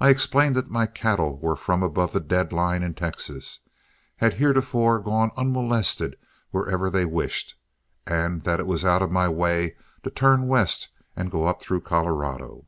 I explained that my cattle were from above the dead line in Texas, had heretofore gone unmolested wherever they wished, and that it was out of my way to turn west and go up through Colorado.